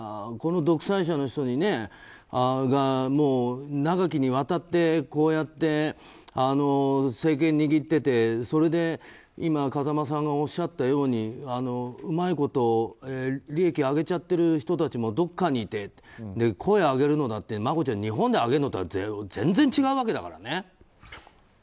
この独裁者の人がもう長きにわたってこうやって政権を握っててそれで今、風間さんがおっしゃったようにうまいこと利益を上げちゃってる人たちもどこかにいて声を上げるのだってマコちゃん、日本で上げるのとは全然違うわけだからね。